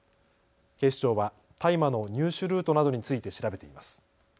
警視庁は大麻の入手ルートなどについて調べています。